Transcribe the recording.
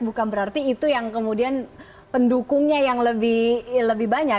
bukan berarti itu yang kemudian pendukungnya yang lebih banyak